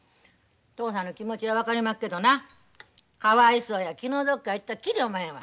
嬢さんの気持ちは分かりまっけどなかわいそうや気の毒や言うたらきりおまへんわ。